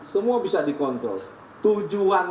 semua bisa dikontrol tujuan